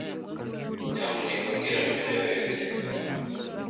Nyamuneka mbwira numero yawe ya terefone.